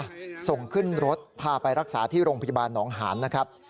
ส่งขึ้นรถพาไปรักษาที่โรงพยาบาลหนองหานนะครับ